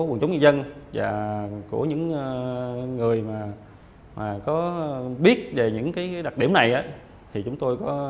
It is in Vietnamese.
phù nhận dân của những người mà có biết về những cái đặc điểm này thì chúng tôi có sàn lọc ra được